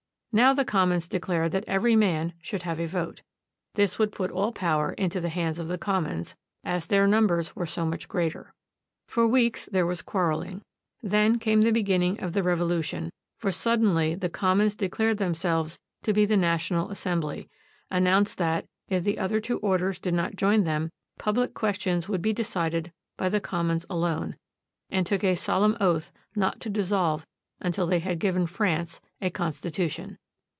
Now the commons declared that every man should have a vote. This would put all power into the hands of the commons, as their numbers were so much greater. For weeks there was quarreling. Then came the beginning of the Revolution, for suddenly the commons declared themselves to be the National Assembly, announced that, if the other two orders did not join them, public questions would be decided by the commons alone, and took a solemn oath not to dissolve until they had given France a Constitution.